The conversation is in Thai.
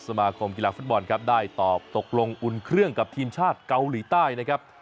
สมาคมกีฬาฟุตบอลครับได้ตอบตกลงอุ่นเครื่องกับทีมชาติเกาหลีใต้นะครับ